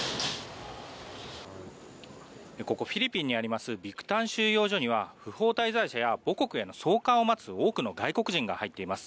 ここ、フィリピンにあります、ビクタン収容所には不法滞在者や母国への送還を待つ多くの外国人が入っています。